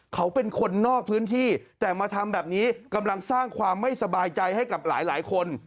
เขาเป็นคนนอกพื้นที่แต่มาทำแบบนี้กำลังสร้างความไม่สบายใจให้กับหลายคน